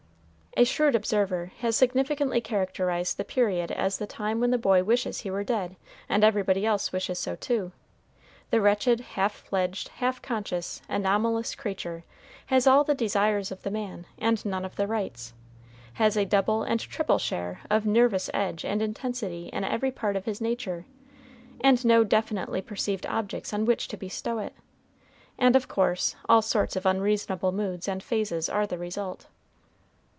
A shrewd observer has significantly characterized the period as the time when the boy wishes he were dead, and everybody else wishes so too. The wretched, half fledged, half conscious, anomalous creature has all the desires of the man, and none of the rights; has a double and triple share of nervous edge and intensity in every part of his nature, and no definitely perceived objects on which to bestow it, and, of course, all sorts of unreasonable moods and phases are the result.